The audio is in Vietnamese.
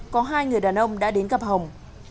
có hai người đàn ông đã đến gặp phong